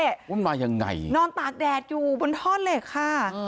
ว่ามันมาอย่างไรนอนตากแดดอยู่บนทอนเหล็กค่ะ